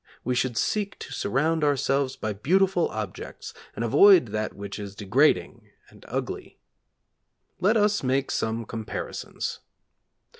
We should seek to surround ourselves by beautiful objects and avoid that which is degrading and ugly. Let us make some comparisons.